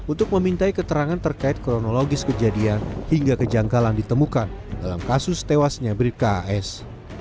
untuk memintai keterangan terkait kronologis kejadian hingga kejangkalan ditemukan dalam kasus tewasnya bribka as